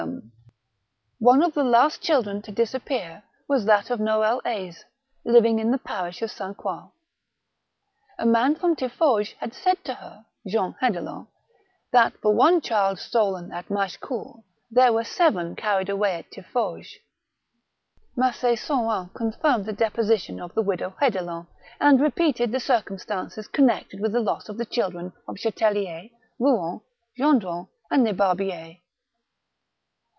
THE MARiCHAL DE RETZ. 201 One of the last children to disappear was that of Noel Aise, living in the parish of S. Croix. A man from TiflFauges had said to her (Jeanne Hedelin) that for one child stolen at Machecoul, there were seven carried away at TiflFauges. Mac6 Sorin confirmed the deposition of the widow Hedelin, and repeated the circumstances connected with the loss of the children of Chatellier, Kouen, Gendron, and Lebarbier.